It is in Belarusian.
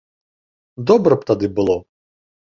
Добра б тады было.